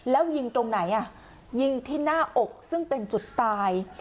แล้วยิงตรงไหนยิงที่หน้าอกซึ่งเป็นจุดตาย